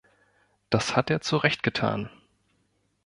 Das hat er zu Recht getan.